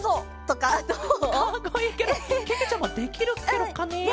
かっこいいケロ。けけちゃまできるケロかねえ？